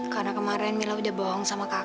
karena kemarin mila udah bohong sama kakak